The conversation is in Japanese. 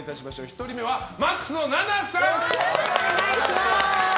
１人目はＭＡＸのＮＡＮＡさん。